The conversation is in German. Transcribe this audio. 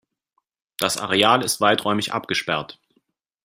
Das Areal ist weiträumig abgesperrt.